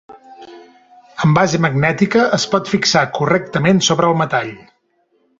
Amb base magnètica es pot fixar correctament sobre el metall.